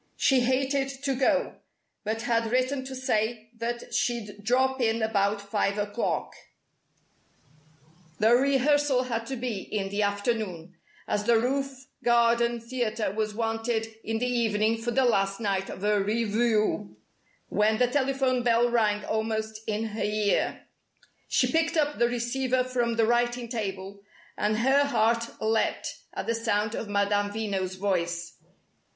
She hated to go, but had written to say that she'd "drop in about five o'clock" the rehearsal had to be in the afternoon, as the roof garden theatre was wanted in the evening for the last night of a revue when the telephone bell rang almost in her ear. She picked up the receiver from the writing table, and her heart leaped at the sound of Madame Veno's voice.